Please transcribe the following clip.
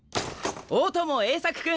大友栄作君！